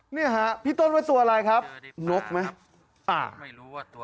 เนี่ยฮะพี่ต้นว่าตัวอะไรครับนกไหมอ่า